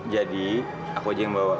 jadi aku aja yang bawa